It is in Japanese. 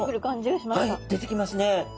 はい出てきますね。